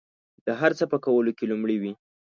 د هر څه په کولو کې لومړي وي.